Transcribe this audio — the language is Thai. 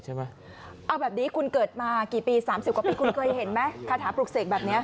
แต่แบบนี้คุณเกิดมากี่ปี๓๐ปีคุณเคยเห็นไหมคาถาปลูกเสกแบบนี้